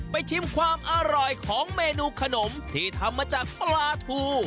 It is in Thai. ชิมความอร่อยของเมนูขนมที่ทำมาจากปลาทู